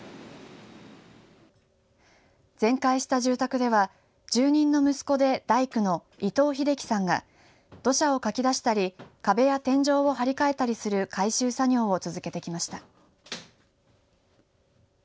全壊した住宅では住人の息子で大工の伊藤英樹さんが土砂をかき出したり壁や天井を張り替えたりする改修作業を続けてきました。